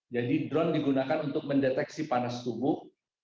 jadi drone digunakan untuk mendeteksi panas tubuh